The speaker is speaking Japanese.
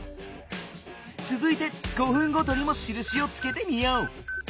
つづいて５分ごとにもしるしをつけてみよう。